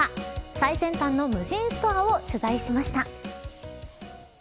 最先端の無人ストアを取材しました。